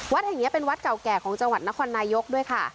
แห่งนี้เป็นวัดเก่าแก่ของจังหวัดนครนายกด้วยค่ะ